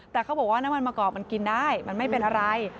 แต่เขาบอกว่าน้ำมันมะกอกมันกินได้มันไม่เป็นอะไร